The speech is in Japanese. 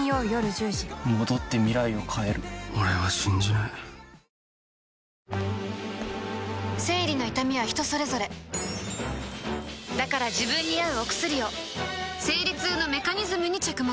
選ぶ日がきたらクリナップ生理の痛みは人それぞれだから自分に合うお薬を生理痛のメカニズムに着目